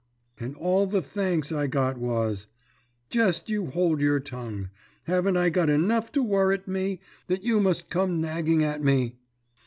"And all the thanks I got was, "'Jest you hold your tongue. Haven't I got enough to worrit me that you must come nagging at me?'